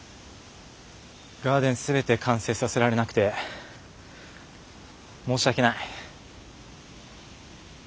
ガーデン全て完成させられなくて申し訳ない。